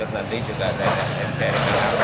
nanti juga dari kangarus menjadi perintah kangarus